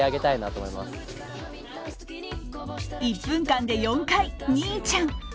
１分間で４回「兄ちゃん」。